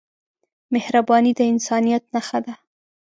مهرباني د انسانیت نښه ده.